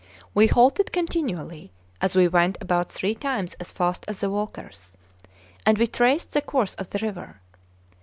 We halted continually, as we went about three times as fast as the walkers; and we traced the course of the river.